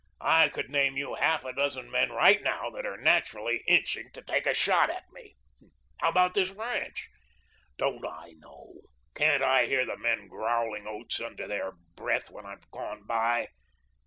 I could name you half a dozen men right now that are naturally itching to take a shot at me. How about this ranch? Don't I know, can't I hear the men growling oaths under their breath after I've gone by?